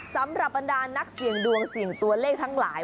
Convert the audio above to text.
สำหรับบรรดานักเสี่ยงดวงเสี่ยงตัวเลขทั้งหลาย